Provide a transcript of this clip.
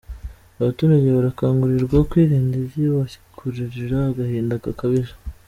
Abaturage barakangurirwa kwirinda ibyabakururira agahinda gakabije